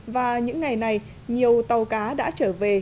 và những ngày này nhiều tàu cá đã trở về